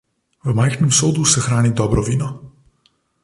V majhnem sodu se hrani dobro vino.